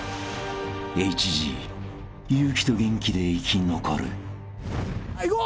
［ＨＧ勇気と元気で生き残る］はいいこう。